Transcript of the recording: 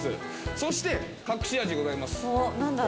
そして隠し味ございますお何だろう？